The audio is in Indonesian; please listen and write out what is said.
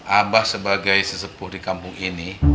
abah sebagai sesepuh di kampung ini